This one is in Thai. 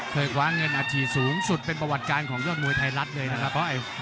คว้าเงินอาชีพสูงสุดเป็นประวัติการของยอดมวยไทยรัฐเลยนะครับ